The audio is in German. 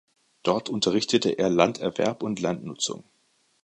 Dort unterrichtete er Landerwerb und Landnutzung.